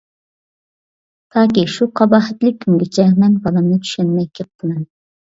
تاكى شۇ قاباھەتلىك كۈنگىچە، مەن بالامنى چۈشەنمەي كەپتىمەن.